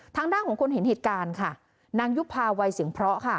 ทางด้านของคนเห็นเหตุการณ์ค่ะนางยุภาวัยเสียงเพราะค่ะ